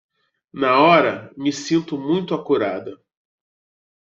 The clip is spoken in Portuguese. Na hora me sinto muito acurada